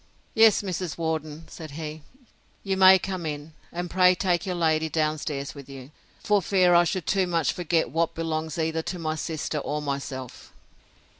Yes, Mrs. Worden, said he, you may come in; and pray take your lady down stairs with you, for fear I should too much forget what belongs either to my sister or myself!